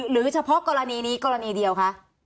หรือเฉพาะกรณีนี้กรณีเดียวคะ